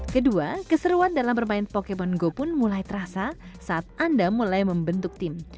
kedua keseruan dalam bermain pokemon go pun mulai terasa saat anda mulai membentuk tim